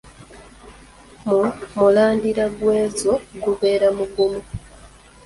Mu mulandira gw’enzo gubeera mugumu.